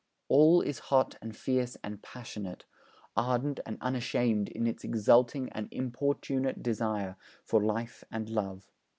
All is hot and fierce and passionate, ardent and unashamed in its exulting and importunate desire for life and love.